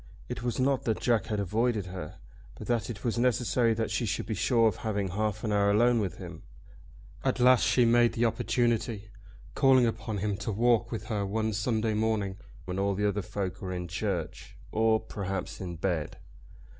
It was not that Jack had avoided her, but that it was necessary that she should be sure of having half an hour alone with him. At last she made the opportunity, calling upon him to walk with her one Sunday morning when all other folk were in church or, perhaps, in bed.